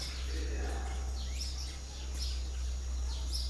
Vyznačují se extrémní hustotou a nízkým obsahem vody.